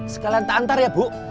sekalian ke kantor ya bu